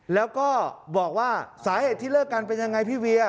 แล้วก็บอกว่าสาเหตุที่เลิกกันเป็นยังไงพี่เวีย